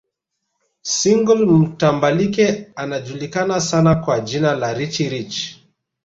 Single mtambalike anajulikana sana kwa jina la Richie Rich